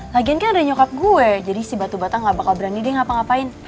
lagian kan ada nyokap gue jadi si batu bata gak bakal berani deh ngapa ngapain